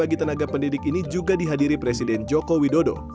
bagi tenaga pendidik ini juga dihadiri presiden joko widodo